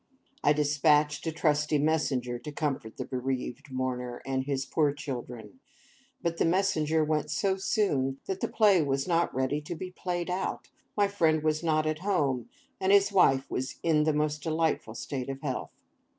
I despatched a trusty messenger to comfort the bereaved mourner and his poor children; but the messenger went so soon, that the play was not ready to be played out; my friend was not at home, and his wife was in a most delightful state of health.